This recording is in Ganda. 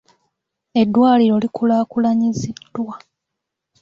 Eddwaliro likulaakulanyiziddwa.